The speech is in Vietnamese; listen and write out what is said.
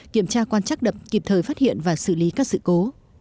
kiểm tra quan trắc đập kịp thời phát hiện và xử lý các sự cố